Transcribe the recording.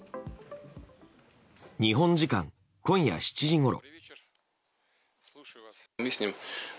日本時間今夜７時ごろ。